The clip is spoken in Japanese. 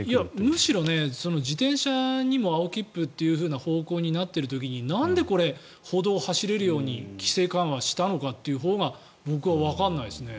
むしろ自転車にも青切符という方向になっている時になんでこれ、歩道を走れるように規制緩和したんだというほうが僕はわからないですね。